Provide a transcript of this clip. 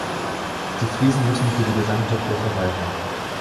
Die Fliesen müssen für die gesamte Fläche reichen.